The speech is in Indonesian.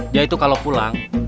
dia itu kalau pulang